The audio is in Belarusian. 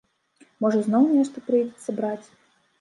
Можа зноў нешта прыйдзецца браць?